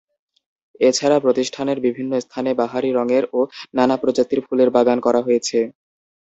এছাড়া প্রতিষ্ঠানের বিভিন্ন স্থানে বাহারি রঙের ও নানা প্রজাতির ফুলের বাগান করা হয়েছে।